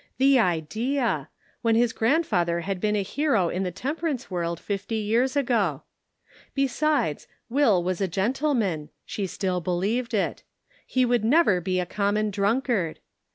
The idea ! when his grandfather had been a hero in the temperance world fifty years ago. Besides, Will was a gentleman, she still believed it ; he would never be a common drunkard